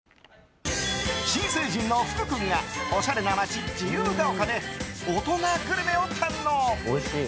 新成人の福君がおしゃれな街、自由が丘で大人グルメを堪能。